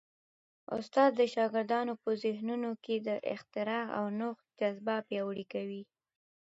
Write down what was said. استاد د شاګردانو په ذهنونو کي د اختراع او نوښت جذبه پیاوړې کوي.